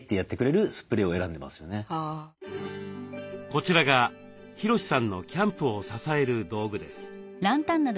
こちらがヒロシさんのキャンプを支える道具です。